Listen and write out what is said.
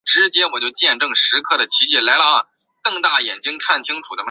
瑞奇马汀出生在一个罗马天主教的家庭并且在他的童年是位辅祭。